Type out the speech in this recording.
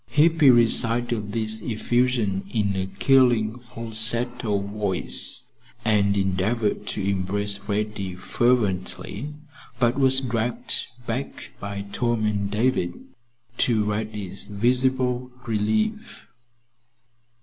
'" Hippy recited this effusion in a killing falsetto voice, and endeavored to embrace Reddy fervently, but was dragged back by Tom and David, to Reddy's visible relief.